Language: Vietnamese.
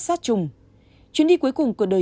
sát trùng chuyến đi cuối cùng của đời